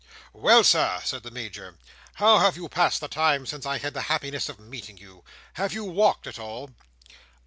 "Well, Sir!" said the Major. "How have you passed the time since I had the happiness of meeting you? Have you walked at all?"